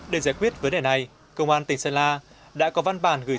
để giải quyết vấn đề này công an tỉnh sơn la đã có văn bản gửi